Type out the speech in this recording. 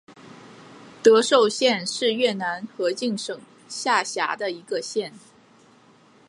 德寿县是越南河静省下辖的一个县。